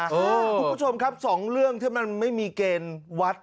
คุณผู้ชมครับสองเรื่องที่มันไม่มีเกณฑ์วัด